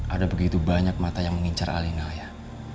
ada begitu banyak mata yang mengincar alina ya